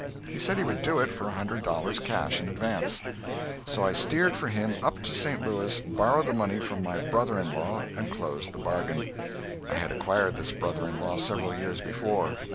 He said he would do it for a hundred dollars cash in advance. So I steered for him up to St. Louis, borrowed the money from my brother in law and closed the bargain. I had acquired this brother in law several years before.